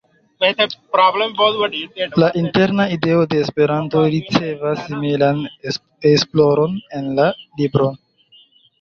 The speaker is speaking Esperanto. La interna ideo de Esperanto ricevas similan esploron en la libro.